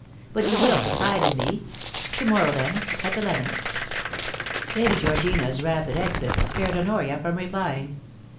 But you will confide in me. To morrow, then, at eleven.' Lady Georgina's rapid exit spared Honoria from replying.